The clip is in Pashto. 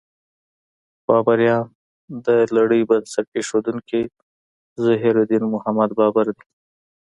بابریان: د لړۍ بنسټ ایښودونکی ظهیرالدین محمد بابر دی.